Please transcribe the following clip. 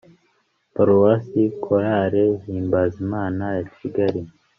paruwasi, chorale himbazimana ya kigali